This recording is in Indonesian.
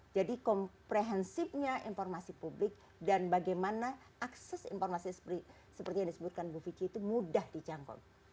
jadi komprehensifnya informasi publik dan bagaimana akses informasi seperti yang disebutkan bu vicky itu mudah dicangkul